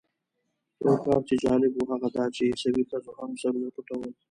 یو کار چې جالب و هغه دا چې عیسوي ښځو هم سرونه پټول.